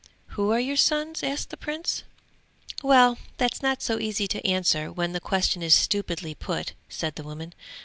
'Who are your sons?' asked the Prince. 'Well that's not so easy to answer when the question is stupidly put,' said the woman.